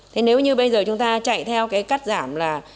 thế nếu như bây giờ chúng ta chạy theo cái cắt giảm là